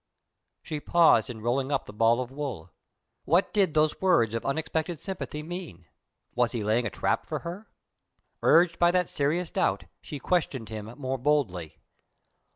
She paused in rolling up the ball of wool. What did those words of unexpected sympathy mean? Was he laying a trap for her? Urged by that serious doubt, she questioned him more boldly.